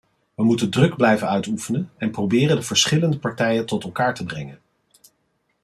We moeten druk blijven uitoefenen en proberen de verschillende partijen tot elkaar te brengen.